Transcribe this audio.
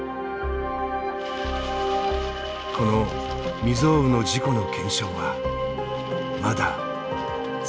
この未曽有の事故の検証はまだ続いていく。